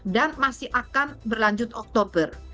dan masih akan berlanjut oktober